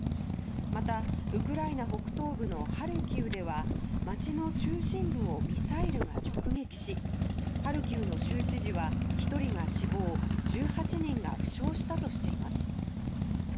またウクライナ北東部のハルキウでは街の中心部をミサイルが直撃しハルキウの州知事は１人が死亡１８人が負傷したとしています。